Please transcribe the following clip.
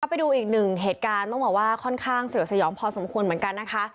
ไปดูอีกหนึ่งเหตุการณ์ต้องบอกว่าค่อนข้างเสือกสยองพอสมควรเหมือนกันนะคะ